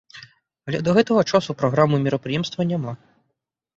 Але да гэтага часу праграмы мерапрыемства няма.